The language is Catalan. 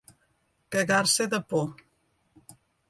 Cagar-se de por.